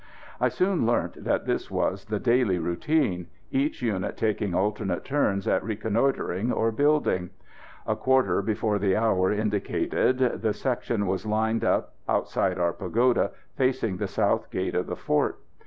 I soon learnt that this was the daily routine, each unit taking alternate turns at reconnoitring or building. A quarter before the hour indicated the section was lined up, outside our pagoda, facing the south gate of the fort.